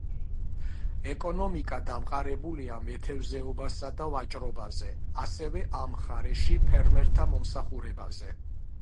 ეკონომიკა დამყარებულია მეთევზეობასა და ვაჭრობაზე, ასევე ამ მხარეში ფერმერთა მომსახურებაზე.